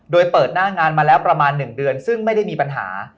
โดยเปิดหน้างานมาแล้วประมาณ๑เดือนซึ่งไม่ได้มีปัญหา